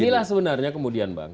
inilah sebenarnya kemudian bang